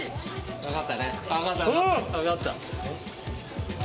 分かった？